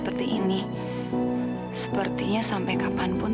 kayaknya dijaga begitu manis itu